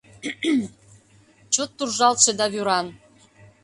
Чот туржалтше да вӱран